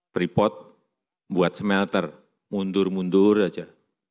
freeport buat smelter mundur mundur saja